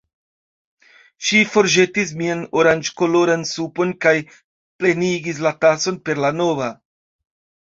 Ŝi forĵetis mian oranĝkoloran supon kaj plenigis la tason per la nova.